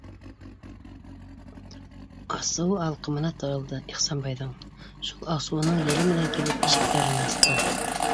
Асыуы алҡымына тығылды Ихсанбайҙың, шул асыуының еле менән килеп ишектәрен асты: